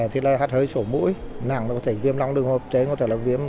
thì lại hát hơi sổ mũi nặng có thể viêm long đường hộp chế